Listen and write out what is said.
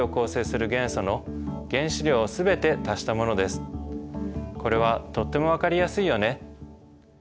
福君これはとっても分かりやすいよね。